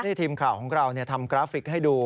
นี่ทีมข่าวของเราทำกราฟิกให้ดู